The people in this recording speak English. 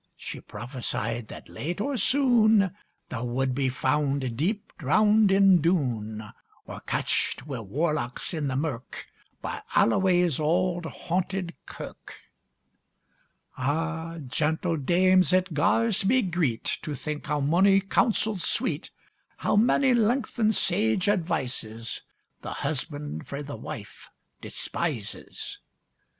She prophesied that, late or soon, Thou would be found deep drowned in Doon; Or catched wi' warlocks in the mirk, By Alloway's auld haunted kirk. Ah, gentle dames! it gars me greet, To think how mony counsels sweet, How many lengthened sage advices, The husband frae the wife despises!